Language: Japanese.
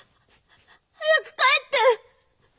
早く帰って！